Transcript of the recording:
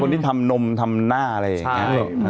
ที่ทำนมทำหน้าอะไรอย่างนี้